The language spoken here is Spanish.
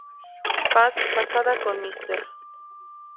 Pat, casada con Mr.